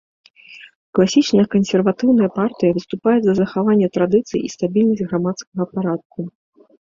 Класічная кансерватыўная партыя, выступае за захаванне традыцый і стабільнасць грамадскага парадку.